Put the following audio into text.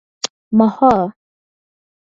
Mohor.